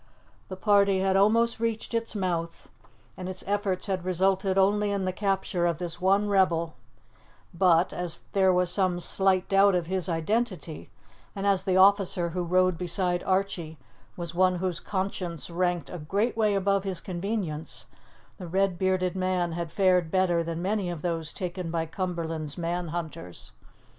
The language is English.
The party had almost reached its mouth, and its efforts had resulted only in the capture of this one rebel; but, as there was some slight doubt of his identity, and as the officer who rode beside Archie was one whose conscience ranked a great way above his convenience, the red bearded man had fared better than many of those taken by Cumberland's man hunters.